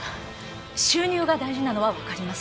収入が大事なのはわかります。